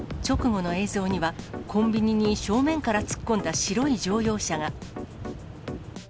直後の映像には、コンビニに正面から突っ込んだ白い乗用車が。